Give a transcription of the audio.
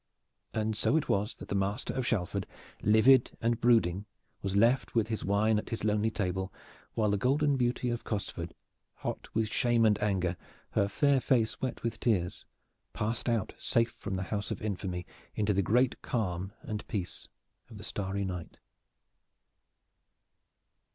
And so it was that the master of Shalford, livid and brooding, was left with his wine at his lonely table, while the golden beauty of Cosford, hot with shame and anger, her fair face wet with tears, passed out safe from the house of infamy into the great calm and peace of the starry night.